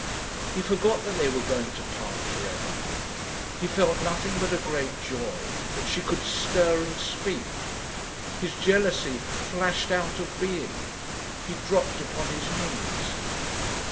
He forgot that they were going to part for ever. He felt nothing but a great joy that she could stir and speak. His jealousy flashed out of being. He dropped upon his knees.